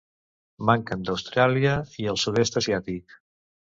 Manquen d'Austràlia i el sud-est asiàtic.